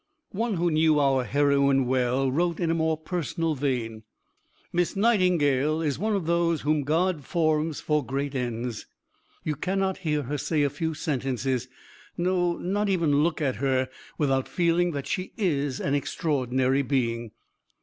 One who knew our heroine well wrote in a more personal vein: "Miss Nightingale is one of those whom God forms for great ends. You cannot hear her say a few sentences no, not even look at her, without feeling that she is an extraordinary being.